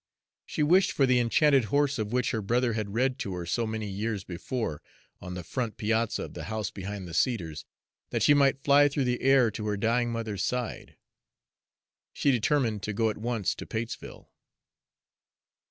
She wished for the enchanted horse of which her brother had read to her so many years before on the front piazza of the house behind the cedars, that she might fly through the air to her dying mother's side. She determined to go at once to Patesville.